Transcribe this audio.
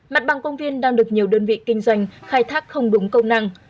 mặt bằng công viên đang được nhiều đơn vị kinh doanh khai thác không đúng công năng